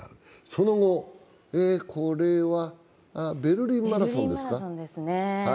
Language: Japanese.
その後、ベルリンマラソンですか。